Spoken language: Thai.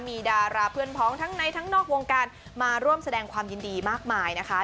มีดาราเพื่อนพ้องทั้งในทั้งนอกวงการมาร่วมแสดงความยินดีมากมายนะคะ